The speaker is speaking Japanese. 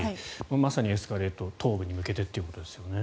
まさにエスカレート東部に向けてということですね。